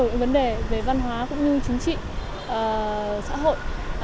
rất là nhiều vấn đề về văn hóa cũng như chính trị xã hội